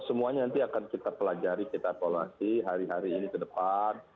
semuanya nanti akan kita pelajari kita evaluasi hari hari ini ke depan